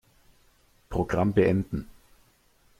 Programm beenden.